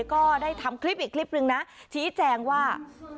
ก็ได้ทำคลิปอีกคลิปนึงนะชี้แจงว่า